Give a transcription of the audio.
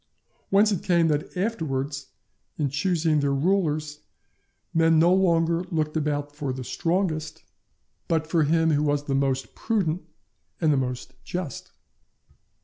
Whence it came that afterwards, in choosing their rulers, men no longer looked about for the strongest, but for him who was the most prudent and the most just.